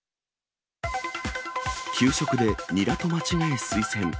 給食でニラと間違えスイセン。